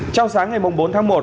trong sáng ngày bốn tháng một